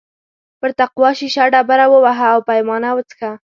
پر تقوا شیشه ډبره ووهه او پیمانه وڅښه.